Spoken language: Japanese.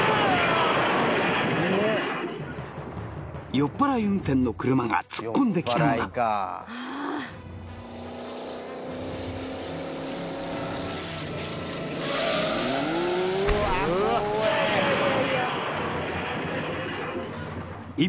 酔っ払い運転の車が突っ込んできたのだ一